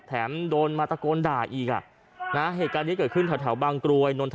แถมโดนมาตะโกนด่ายีกนะฮะเหตุการณ์ที่เกิดขึ้นที่บางกลวยน้นธมุรีครับ